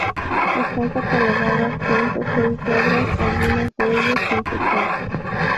Están catalogadas ciento seis obras, algunas de ellas sin fechar.